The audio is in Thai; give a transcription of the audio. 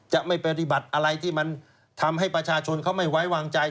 จะไม่ปฏิบัติอะไรที่มันทำให้ประชาชนเขาไม่ไว้วางใจ